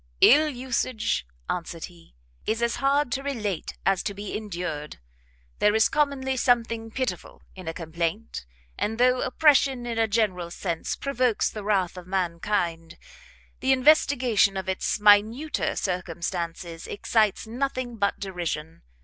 "Ill usage," answered he, "is as hard to relate as to be endured. There is commonly something pitiful in a complaint; and though oppression in a general sense provokes the wrath of mankind, the investigation of its minuter circumstances excites nothing but derision.